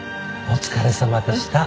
お疲れさまでした。